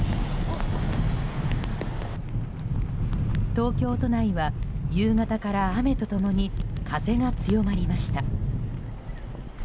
東京都内は、夕方から雨と共に風が強まりました。